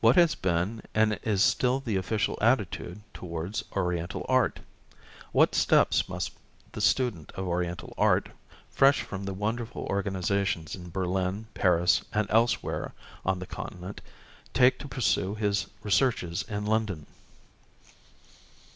What has been and is still the official attitude towards Oriental art ? What steps must the student of Oriental art, fresh from the wonderful organizations in Berlin, Paris, and elsewhere on the Continent, take to pursue his researches in London